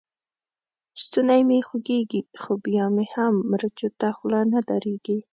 ستونی مې خوږېږي؛ خو بيا مې هم مرچو ته خوله نه درېږي.